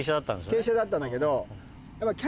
傾斜だったんだけど。